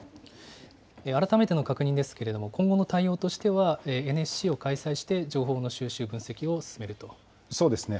改めての確認ですけれども、今後の対応としては、ＮＳＣを開催して情報の収集、分析を進めると。